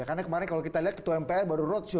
karena kemarin ketua mpr baru roadshow